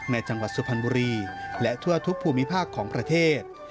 ในจังหวัดสุพรรณบุรีและทั่วทุกภูมิภาคของประเทศ